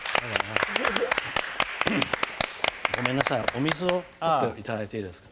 ごめんなさいお水を取って頂いていいですか？